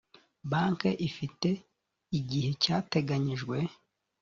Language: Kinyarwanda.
banki ifite igihe cyateganyijwe